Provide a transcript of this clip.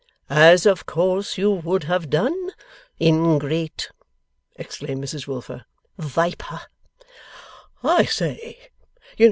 'As of course you would have done? Ingrate!' exclaimed Mrs Wilfer. 'Viper!' 'I say!